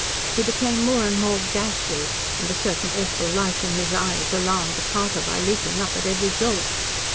He became more and more "gashly," and a certain awful light in his eyes alarmed the carter by leaping up at every jolt.